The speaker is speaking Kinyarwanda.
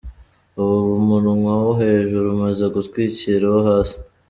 Ubu umunwa wo hejuru umaze gutwikira uwo hasi.